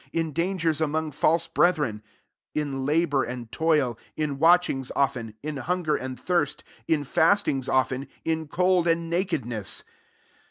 in dangers among false breth ren; 27 [in] labour and toil, in watchingjs often, in hunger and thirst, in fastings often, in cold and nakedness.